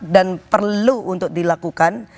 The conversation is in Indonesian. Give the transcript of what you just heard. dan perlu untuk dilakukan